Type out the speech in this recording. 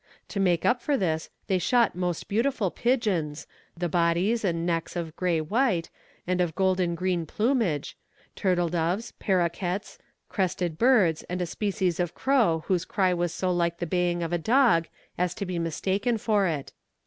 To make up for this they shot most beautiful pigeons, the bodies and necks of grey white, and of golden green plumage, turtle doves, parroquets, crested birds, and a species of crow, whose cry was so like the baying of a dog, as to be mistaken for it.